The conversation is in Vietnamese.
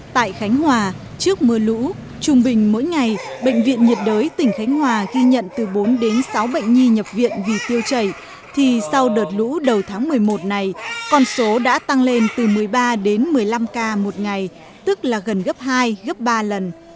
tại khánh hòa trước mưa lũ trung bình mỗi ngày bệnh viện nhiệt đới tỉnh khánh hòa ghi nhận từ bốn đến sáu bệnh nhi nhập viện vì tiêu chảy thì sau đợt lũ đầu tháng một mươi một này con số đã tăng lên từ một mươi ba đến một mươi năm ca một ngày tức là gần gấp hai gấp ba lần